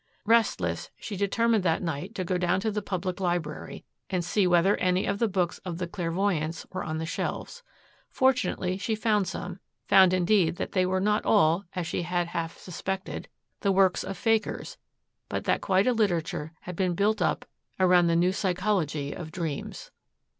Restless, she determined that night to go down to the Public Library and see whether any of the books at the clairvoyant's were on the shelves. Fortunately she found some, found indeed that they were not all, as she had half suspected, the works of fakers but that quite a literature had been built up around the new psychology of dreams.